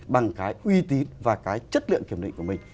bằng cái uy tín và cái chất lượng kiểm định của mình